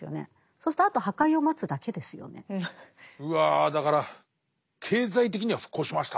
そうするとあとうわだから経済的には復興しました。